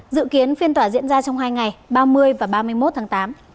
dự kiến phiên tòa diễn ra trong hai ngày ba mươi và ba mươi một tháng tám